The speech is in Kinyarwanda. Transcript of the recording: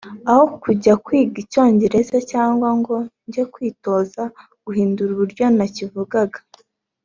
Aho kujya kwiga Icyongereza cyangwa ngo njye kwitoza guhindura uburyo nakivugaga